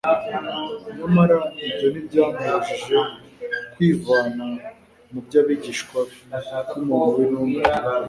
Nyamara, ibyo ntibyamubujije kwivanga mu by'abigishwa be, nk'umuntu w'intungane,